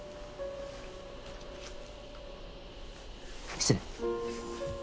失礼。